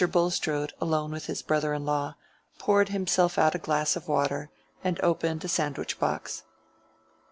Bulstrode, alone with his brother in law, poured himself out a glass of water, and opened a sandwich box.